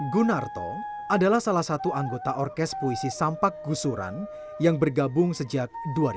gunarto adalah salah satu anggota orkes puisi sampak gusuran yang bergabung sejak dua ribu